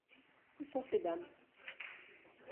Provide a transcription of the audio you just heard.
Où sont ces dames ?